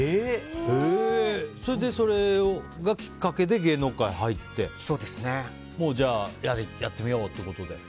それで、それがきっかけで芸能界に入って？じゃあやってみようってことで。